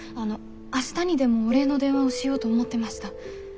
明日にでもお礼の電話をしようと思ってました。